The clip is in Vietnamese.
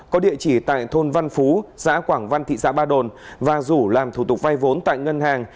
có địa chỉ tại thôn văn phú xã quảng văn thị xã ba đồn và rủ làm thủ tục vay vốn tại ngân hàng